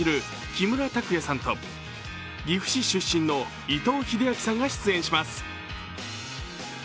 木村拓哉さんと岐阜市出身の伊藤英明さんが出演します。